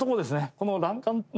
この欄干。